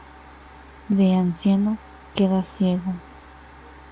De anciano queda ciego.